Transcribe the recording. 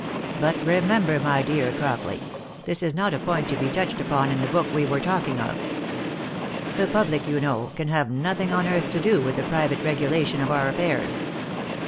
" But remember, my dear Crockley, this is not a point to be touched upon in the book we were talking of. The public, you know, can have nothing on earth to do with the private regulation of our affairs.